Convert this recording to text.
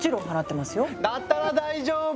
だったら大丈夫！